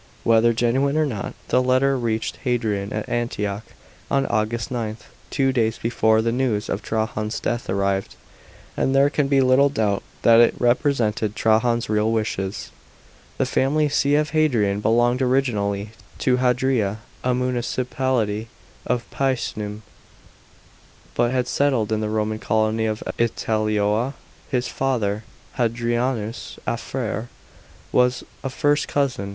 Whether genuine or not, the letter reached Hadrian at Antioch on August 9, two days before the news of Trajan's death arrived, and there can be little doubt that it represented Trajan's real wishes. § 2. The family c.f Hadrian belonged originally to Hadria, a municipality of Picenum, but had settled in the Roman colony of 117 A.D. HADBIAN'S ACCESSION. 491 Italioa. His father, Hadrianus Afer, was a first cousin of Trajan.